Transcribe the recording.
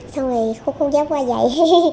xong rồi không dám qua dạy